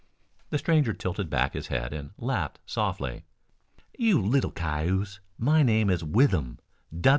The stranger tilted back his head and laughed softly. "You little cayuse, my name is Withem.